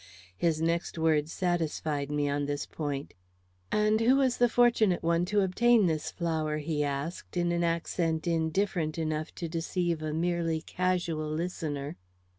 His next words satisfied me on this point. "And who was the fortunate one to obtain this flower?" he asked, in an accent indifferent enough to deceive a merely casual listener.